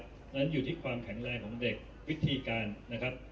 เพราะฉะนั้นอยู่ที่ความแข็งแรงของเด็กวิธีการนะครับ